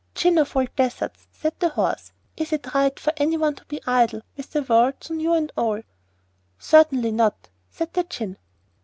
'Djinn of All Deserts,' said the Horse, 'is it right for any one to be idle, with the world so new and all?' 'Certainly not,' said the Djinn.